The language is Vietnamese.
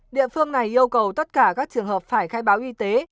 địa phương này yêu cầu tất cả các trường hợp phải khai báo y tế